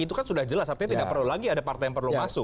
itu kan sudah jelas artinya tidak perlu lagi ada partai yang perlu masuk